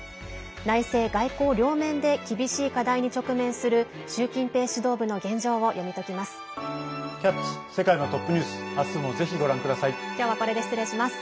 内政、外交両面で厳しい課題に直面する習近平指導部の現状を読み解きます。